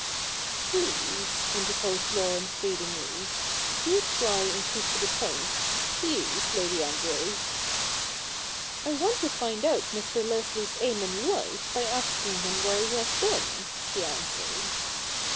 'Please,' interposed Laurence pleadingly, 'do try and keep to the point — please. Lady Ambrose.' 'I want to find out Mr. Leslie's aim in life by asking him where he has been,' she answered.